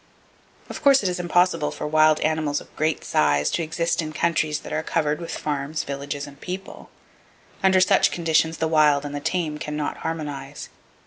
[Page 166] Of course it is impossible for wild animals of great size to exist in countries that are covered with farms, villages and people. Under such conditions the wild and the tame cannot harmonize.